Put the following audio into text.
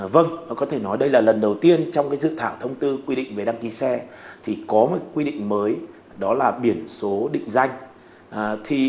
vâng có thể nói đây là lần đầu tiên trong cái dự thảo thông tư quy định về đăng ký xe thì có một quy định mới đó là biển số định danh